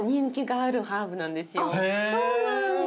あっそうなんだ。